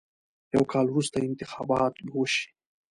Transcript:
یو کال وروسته انتخابات به وشي.